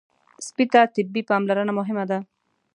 سپي ته طبي پاملرنه مهمه ده.